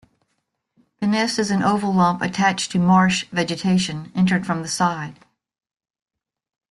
The nest is an oval lump attached to marsh vegetation, entered from the side.